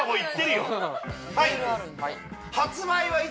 はい！